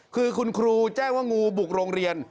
คือคุณครูแจ้งว่างูบุกโรงเรียน